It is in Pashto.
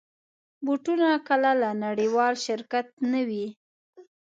بوټونه کله له نړېوال شرکت نه وي.